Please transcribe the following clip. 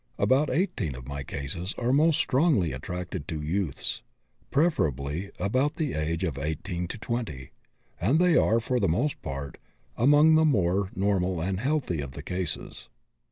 About 18 of my cases are most strongly attracted to youths, preferably of about the age of 18 to 20, and they are, for the most part, among the more normal and healthy of the cases.